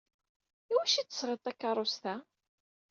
I wacu ay d-tesɣiḍ takeṛṛust-a?